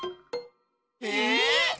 え？